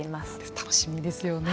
楽しみですよね。